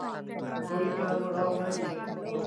บริการรองมาอีก